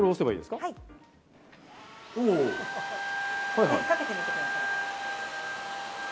かけてみてください。